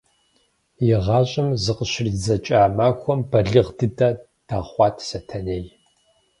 И гъащӀэм зыкъыщридзэкӀа махуэм балигъ дыдэ дэхъуат Сэтэней.